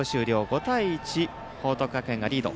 ５対１、報徳学園がリード。